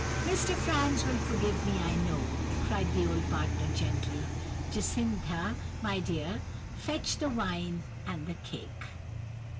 "'Mr. Franz will forgive me, I know,' cried the old partner, gently. 'Jacintha, my dear, fetch the wine and cake!